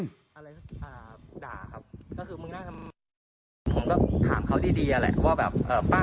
ถ้าครับก็คือมึงไหนอ่ะผมก็ถามเขาดีแหละว่าแบบป้า